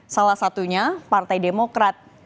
salah satunya partai demokrat